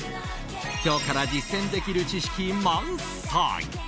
今日から実践できる知識満載。